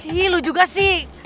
ih lu juga sih